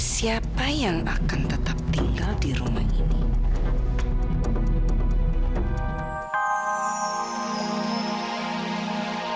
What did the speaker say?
siapa yang akan tetap tinggal di rumah ini